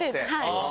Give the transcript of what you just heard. はい。